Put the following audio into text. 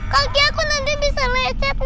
kaki aku nanti bisa lecet